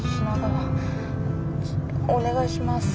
お願いします。